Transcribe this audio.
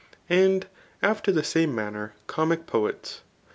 259 And after the $ame maimer Comic poets.